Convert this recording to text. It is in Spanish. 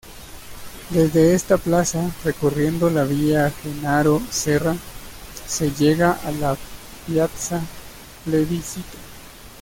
Desde esta plaza, recorriendo la Via Gennaro Serra, se llega a la Piazza Plebiscito.